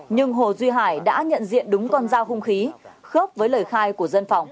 nhưng hồ duy hải đã nhận diện đúng con dao hung khí khớp với lời khai của dân phòng